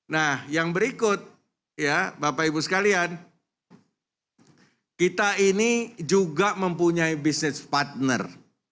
nah yang berikut ya bapak ibu sekalian kita ini juga mempunyai business partner